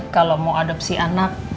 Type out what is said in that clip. kalo mau adopsi anak